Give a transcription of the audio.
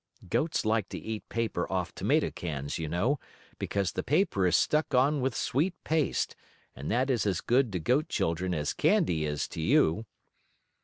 Goats like to eat paper off tomato cans, you know, because the paper is stuck on with sweet paste, and that is as good to goat children as candy is to you.